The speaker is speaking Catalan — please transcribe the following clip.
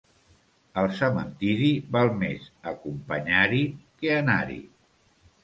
Al cementiri, val més acompanyar-hi que anar-hi.